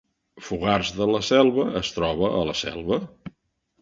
Fogars de la Selva es troba a la Selva